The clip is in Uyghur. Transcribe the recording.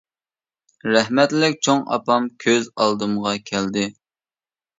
رەھمەتلىك چوڭ ئاپام كۆز ئالدىمغا كەلدى.